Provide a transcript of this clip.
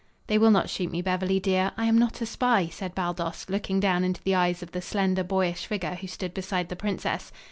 "They will not shoot me, Beverly, dear. I am not a spy," said Baldos, looking down into the eyes of the slender boyish figure who stood beside the princess.